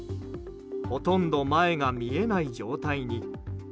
ほとんど前が見えない状態に。